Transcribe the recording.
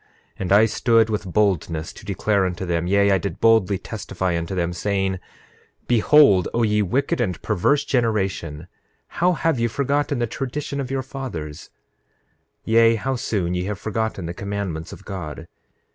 And I stood with boldness to declare unto them, yea, I did boldly testify unto them, saying: 9:8 Behold, O ye wicked and perverse generation, how have ye forgotten the tradition of your fathers; yea, how soon ye have forgotten the commandments of God.